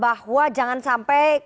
bahwa jangan sampai